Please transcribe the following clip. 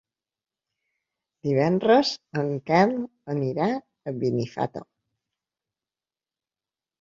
Divendres en Quel anirà a Benifato.